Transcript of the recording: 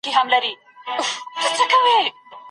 د صنعتي هیوادونو پرمختګ د نورو سره توپیر لري.